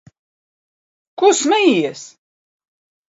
Ko smejies?